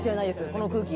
この空気。